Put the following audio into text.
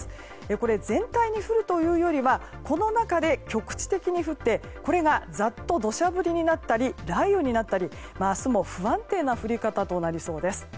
これ全体に降るというよりはこの中で、局地的に降ってこれがざっと土砂降りになったり雷雨になったり明日も不安定な降り方となりそうです。